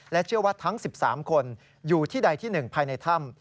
เชื่อว่าทั้ง๑๓คนอยู่ที่ใดที่๑ภายในถ้ำ